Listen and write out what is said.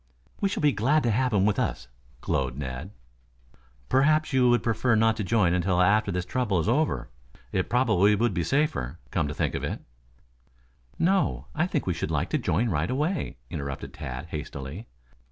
"We shall be glad to have him with us," glowed Ned. "Perhaps you would prefer not to join until after this trouble is over. It probably would be safer, come to think of it " "No. I think we should like to join right away," interrupted Tad hastily.